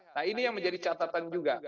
nah ini yang menjadi catatan juga